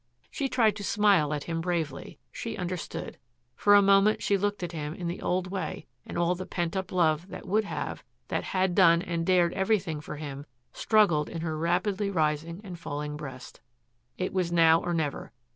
She tried to smile at him bravely. She understood. For a moment she looked at him in the old way and all the pent up love that would have, that had done and dared everything for him struggled in her rapidly rising and falling breast. It was now or never.